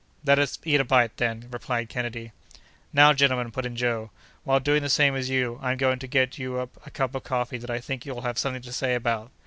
"Let us eat a bite, then," replied Kennedy. "Now, gentlemen," put in Joe, "while doing the same as you, I'm going to get you up a cup of coffee that I think you'll have something to say about."